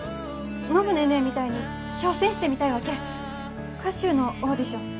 暢子ネーネーみたいに挑戦してみたいわけ歌手のオーディション。